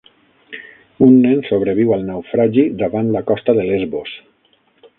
Un nen sobreviu al naufragi davant la costa de Lesbos